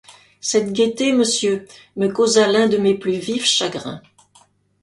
Cette gaieté, monsieur, me causa l’un de mes plus vifs chagrins!